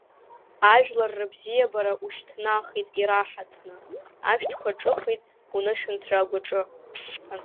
Ажәлар рыбзиабара ушьҭнахит ираҳаҭны, ашәҭқәа ҿыхеит унышәынҭра агәаҿы.